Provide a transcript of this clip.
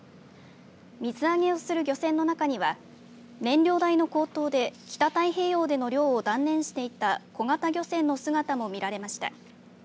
水揚げをする漁船の中には燃料代の高騰で北太平洋での漁を断念していた小型漁船の姿も見られました。